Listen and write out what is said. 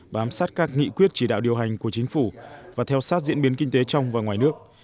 bám sát các nghị quyết chỉ đạo điều hành của chính phủ và theo sát diễn biến kinh tế trong và ngoài nước